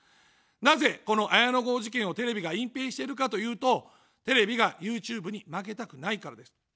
なぜ、この綾野剛事件をテレビが隠蔽しているかというと、テレビがＹｏｕＴｕｂｅに負けたくないからです。